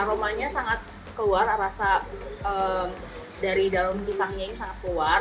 aromanya sangat keluar rasa dari dalam pisangnya ini sangat keluar